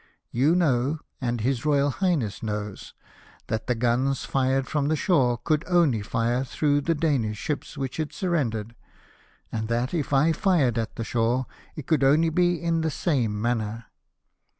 You know, and His Royal Highness knows, that the guns fired from the shore could only fire through the Danish ships which had surrendered, and that, it I fired at the shore, it could only be in the same manner.